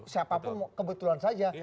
siapa pun kebetulan saja